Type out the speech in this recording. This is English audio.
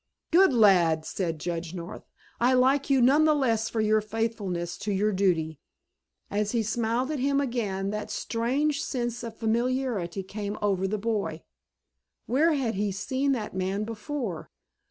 "Good lad," said Judge North; "I like you none the less for your faithfulness to your duty." As he smiled at him again that strange sense of familiarity came over the boy. Where had he seen that man before?